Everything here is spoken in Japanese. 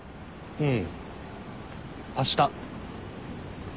うん。